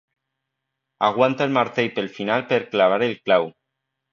Aguanta el martell pel final per clavar el clau.